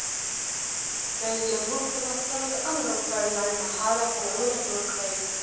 رئیس جمهور خپلو عسکرو ته امر وکړ؛ لنډمهاله پلونه جوړ کړئ!